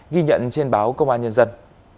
ghi nhận trên báo công an nhân dân